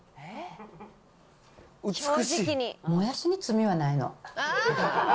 もやしに罪はないの。